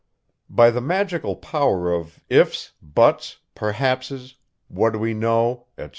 By the magical power of "ifs," "buts," "perhaps's," "what do we know," etc.